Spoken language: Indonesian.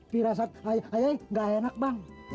firasat ayah ayah nggak enak bang